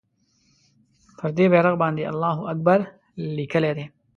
پر دې بېرغ باندې الله اکبر لیکلی دی.